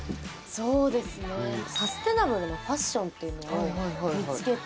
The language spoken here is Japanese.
そうですねサステナブルなファッションっていうのを見つけて。